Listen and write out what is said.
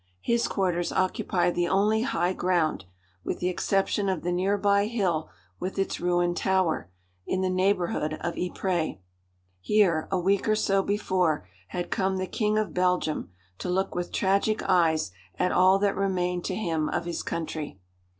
His quarters occupy the only high ground, with the exception of the near by hill with its ruined tower, in the neighbourhood of Ypres. Here, a week or so before, had come the King of Belgium, to look with tragic eyes at all that remained to him of his country.